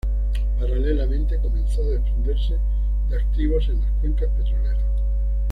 Paralelamente comenzó a desprenderse de activos en las cuencas petroleras.